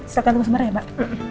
silahkan teman teman ya mbak